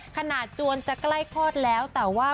ขนาดจวนจะใกล้พอดแล้วแต่ว่า